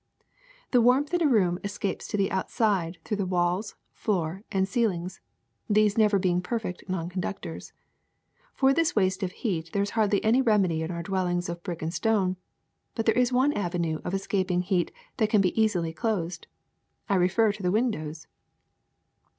^^The warmth in a room escapes to the outside through the walls, floor, and ceiling, these never being perfect non conductors. For this waste of heat there is hardly any remedy in our dwellings of brick and stone. But there is one avenue of escap ing heat that can be easily closed. I refer to the windows.